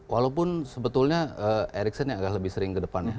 walaupun sebetulnya erickson yang agak lebih sering ke depan